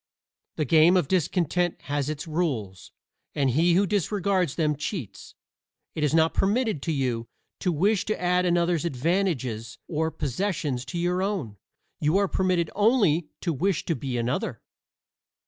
The game of discontent has its rules, and he who disregards them cheats. It is not permitted to you to wish to add another's advantages or possessions to your own; you are permitted only to wish to be another.